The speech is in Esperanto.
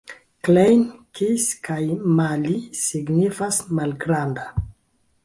Klein, kis kaj mali signifas: malgranda.